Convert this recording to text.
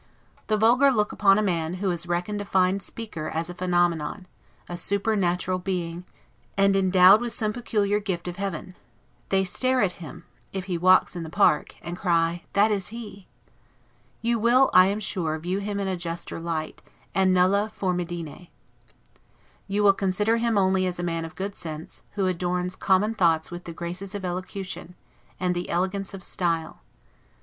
The vulgar look upon a man, who is reckoned a fine speaker, as a phenomenon, a supernatural being, and endowed with some peculiar gift of heaven; they stare at him, if he walks in the Park, and cry, THAT IS HE. You will, I am sure, view him in a juster light, and 'nulla formidine'. You will consider him only as a man of good sense, who adorns common thoughts with the graces of elocution, and the elegance of style.